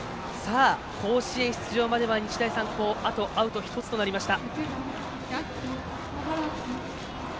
甲子園出場までは日大三高あとアウト１つとなりました。